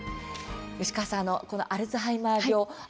吉川さん、アルツハイマー病